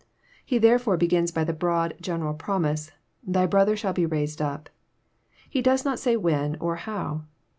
He therefore begins by the broad, general promise, *' Thy brother shall be raised up." He does not say when or how.